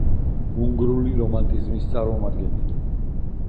უნგრული რომანტიზმის წარმომადგენელი.